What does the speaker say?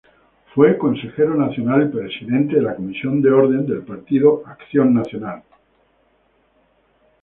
Fue Consejero Nacional y Presidente de la Comisión de Orden del Partido Acción Nacional.